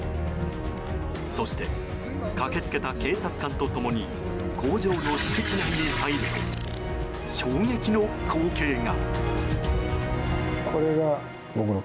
そして、駆け付けた警察官と共に工場の敷地内に入ると衝撃の光景が。